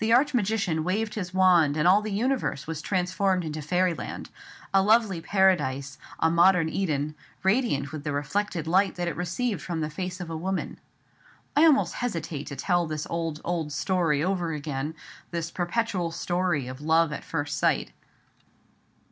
The arch magician waved his wand, and all the universe was transformed into fairyland: a lovely Paradise, a modern Eden, radiant with the reflected light that it received from the face of a woman. I almost hesitate to tell this old, old story over again—this perpetual story of love at first sight.